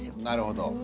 なるほど。